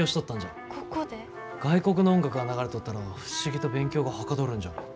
外国の音楽が流れとったら不思議と勉強がはかどるんじゃ。